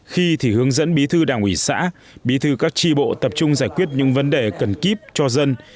khi thì hướng dẫn bí thư đảng ủy xã bí thư các tri bộ tập trung giải quyết những vấn đề cần kíp cho dân